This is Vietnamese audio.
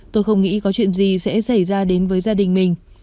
tôi không nghĩ có chuyện gì sẽ xảy ra đến với gia đình mình